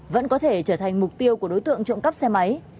vẫn có thể trở thành mục tiêu của đối tượng trộm cắp xe máy